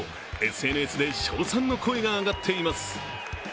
ＳＮＳで称賛の声が上がっています。